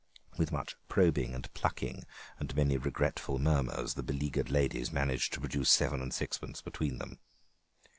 With much probing and plucking and many regretful murmurs the beleaguered ladies managed to produce seven and sixpence between them.